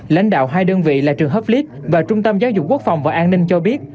lãnh đạo hai đơn vị là trường hợp lý và trung tâm giáo dục quốc phòng và an ninh cho biết